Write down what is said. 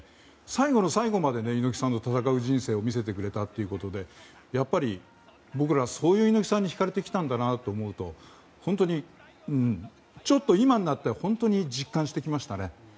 最後の最後まで猪木さんの戦う人生を見せてくれたということでやっぱり、僕らはそういう猪木さんに引かれてきたんだなと思うと今になって実感してきましたね。